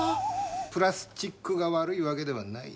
プラスチックが悪いわけではない。